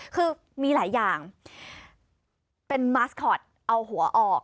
คือมีหลายอย่างเป็นมาสคอตเอาหัวออก